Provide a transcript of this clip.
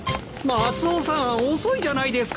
マスオさん遅いじゃないですか。